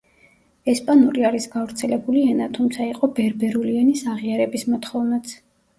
ესპანური არის გავრცელებული ენა, თუმცა იყო ბერბერული ენის აღიარების მოთხოვნაც.